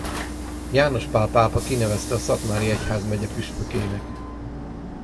János Pál pápa kinevezte a szatmári egyházmegye püspökének.